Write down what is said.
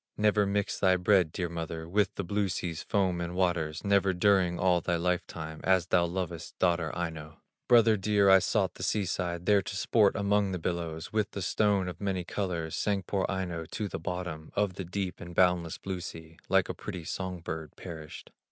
Never mix thy bread, dear mother, With the blue sea's foam and waters, Never during all thy life time, As thou lovest daughter Aino. "Brother dear, I sought the sea side, There to sport among the billows; With the stone of many colors Sank poor Aino to the bottom Of the deep and boundless blue sea, Like a pretty song bird perished.